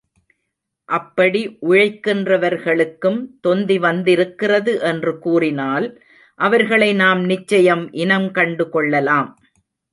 அப்படி உழைக்கின்ற வர்களுக்கும் தொந்தி வந்திருக்கிறது என்று கூறினால், அவர்களை நாம் நிச்சயம் இனங்கண்டுகொள்ளலாம்.